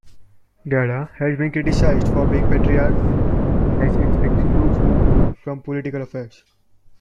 Gadaa has been criticized for being patriarchal, as it excludes women from political affairs.